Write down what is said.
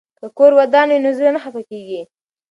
که کور ودان وي نو زړه نه خفه کیږي.